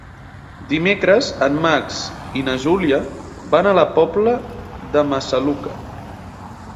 Dimecres en Max i na Júlia van a la Pobla de Massaluca.